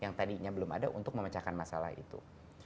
yang tadinya belum ada untuk memecahkan masalah itu